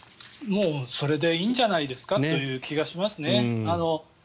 もうそれでいいんじゃないですかという気がしますね。